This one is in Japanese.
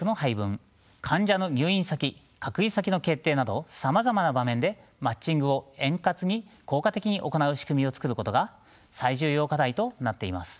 患者の入院先・隔離先の決定などさまざまな場面でマッチングを円滑に効果的に行う仕組みを作ることが最重要課題となっています。